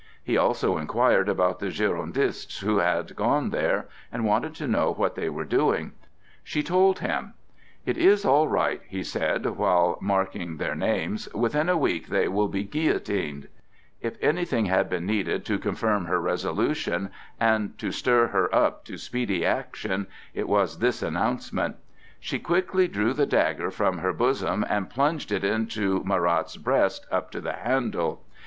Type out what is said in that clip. He also inquired about the Girondists who had gone there, and wanted to know what they were doing. She told him. "It is all right," he said, while marking down their names. "Within a week they will all be guillotined." If anything had been needed to confirm her resolution and to stir her up to speedy action, it was this announcement. She quickly drew the dagger from her bosom and plunged it into Marat's breast up to the handle.